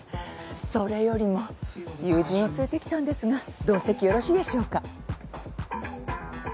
それよりも友人を連れてきたんですが同席よろしいでしょうか？